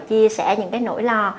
chia sẻ những cái nỗi lo